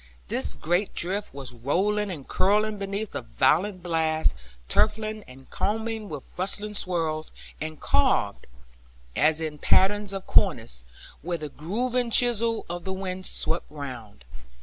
This great drift was rolling and curling beneath the violent blast, tufting and combing with rustling swirls, and carved (as in patterns of cornice) where the grooving chisel of the wind swept round.